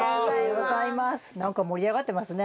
何か盛り上がってますね。